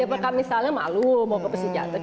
dapatkan misalnya malu mau ke pesawat